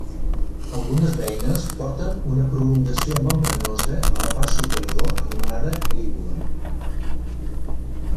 Algunes beines porten una prolongació membranosa a la part superior anomenada lígula.